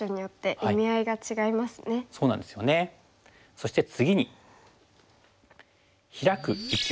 そして次に。